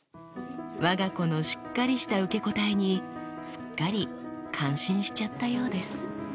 わが子のしっかりした受け答えにすっかり感心しちゃったようです